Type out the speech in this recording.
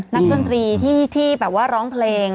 ดนตรีที่แบบว่าร้องเพลง